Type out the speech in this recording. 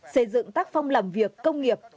xây dựng tác phong làm việc công nghiệp